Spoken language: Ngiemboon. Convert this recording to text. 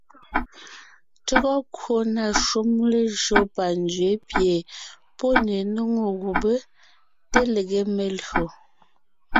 Tÿɔ́gɔ kwò na shúm lejÿó panzwě pie pɔ́ ne nóŋo gubé te lege melÿò.